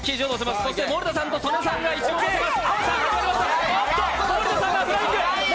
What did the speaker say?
そして森田さんと曽根さんがいちごをのせます。